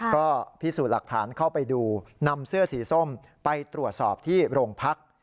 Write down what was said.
ก็พิสูจน์หลักฐานเข้าไปดูนำเสื้อสีส้มไปตรวจสอบที่โรงพัก